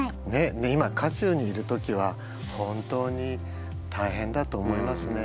今渦中にいる時は本当に大変だと思いますね。